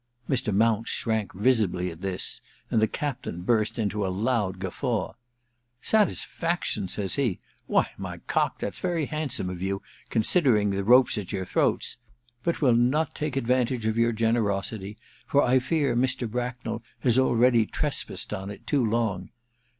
Mr. Mounce shrank visibly at this, and the captain burst into a loud gufiTaw. * Satisfiiction ?' says he. * Why, my cock, that's very handsome of you, considering the rope's at your throats. But we'll not take advantage of your generosity, for I fear Mr. Brackndl has already trespassed on it too long.